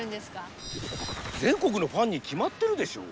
全国のファンにきまってるでしょう。